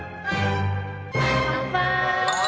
乾杯！